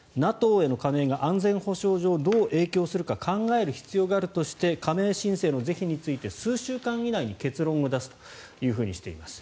ＮＡＴＯへの加盟が安全保障上どう影響するか考える必要があるとして加盟申請の是非について数週間以内に結論を出すというふうにしています。